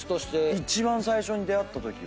一番最初に出会ったときは。